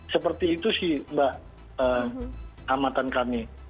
seperti itu sih mbak hamatan kami